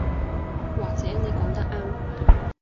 或者你講得啱